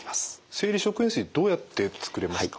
生理食塩水どうやって作れますか？